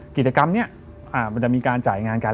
กิจกรรมนี้มันจะมีการจ่ายงานกัน